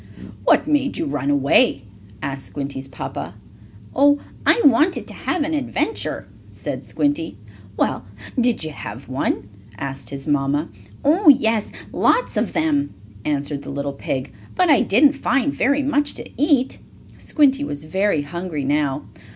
"What made you run away?" asked Squinty's papa. "Oh, I wanted to have an adventure," said Squinty. "Well, did you have one?" asked his mamma. "Oh, yes, lots of them," answered the little pig. "But I didn't find very much to eat." Squinty was very hungry now.